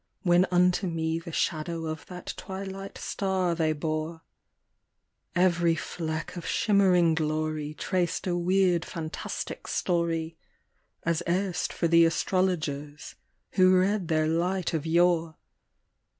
When unto me the shadow of that twilight star they bore ; Every fleck of shimmering glory traced a weird fantastic story, As erst for the astrologers, who read their light of yore, FOREVERMORE.